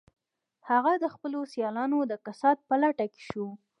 هغه د خپلو سیالانو د کسات په لټه کې شو